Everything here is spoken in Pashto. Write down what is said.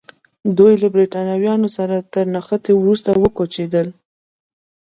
دوی له برېټانویانو سره تر نښتې وروسته وکوچېدل.